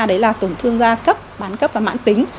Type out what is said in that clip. bán cấp bán cấp và mạng tính